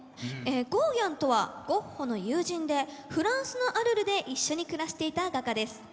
ゴーギャンとはゴッホの友人でフランスのアルルで一緒に暮らしていた画家です。